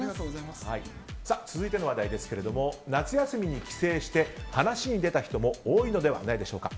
続いての話題ですが夏休みに帰省して話に出た人も多いのではないでしょうか。